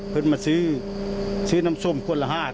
เข้ามาซื้อน้ำส้มคนละห้า